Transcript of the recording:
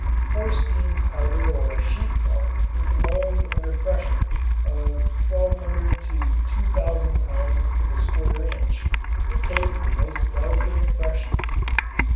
Forced in powder or sheet form into molds under a pressure of 1200 to 2000 pounds to the square inch it takes the most delicate impressions.